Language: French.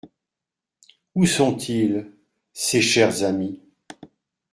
Et où sont-ils, ces chers amis ?